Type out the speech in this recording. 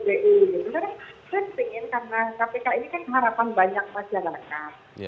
benarnya saya ingin karena kpk ini kan harapan banyak masyarakat